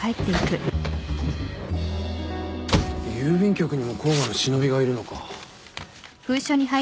郵便局にも甲賀の忍びがいるのか。